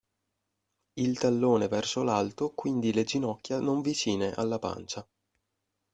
Il tallone verso l'alto, quindi le ginocchia non vicine alla pancia.